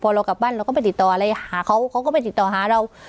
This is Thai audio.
พอเรากลับบ้านเราก็ไปติดต่ออะไรหาเขาเขาก็ไปติดต่อหาเรา